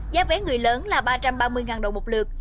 giá vé người lớn là ba trăm ba mươi đồng một lượt